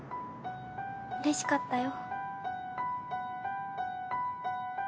うれしかったよ。